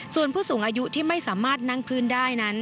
ส่วนผู้สูงอายุที่ไม่สามารถนั่งพื้นได้นั้น